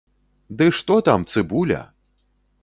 Ды што там цыбуля!